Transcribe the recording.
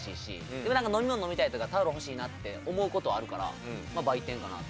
でも飲み物飲みたいとかタオル欲しいなって思う事あるから売店かなと。